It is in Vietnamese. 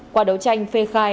qua đấu tranh phê khai